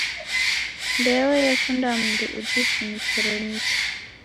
Mbeo yekunda mundu ujifinikire nicha.